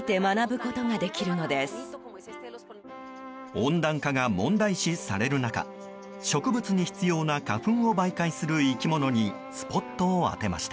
温暖化が問題視される中植物に必要な花粉を媒介する生き物にスポットを当てました。